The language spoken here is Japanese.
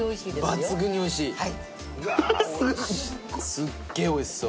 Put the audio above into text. すっげぇおいしそう。